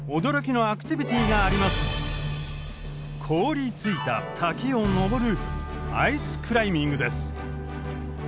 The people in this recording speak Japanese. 凍りついた滝を登るアイスクライミングです。